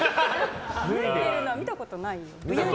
脱いでるのは見たことないよ。